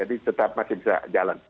jadi tetap masih bisa jalan